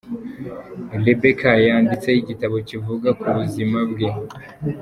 Rebekah yanditse igitabo kivuga ku buzima bwe.